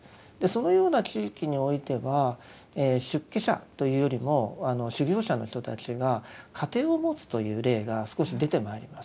そのような地域においては出家者というよりも修行者の人たちが家庭を持つという例が少し出てまいります。